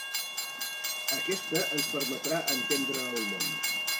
Aquesta ens permetrà entendre el món.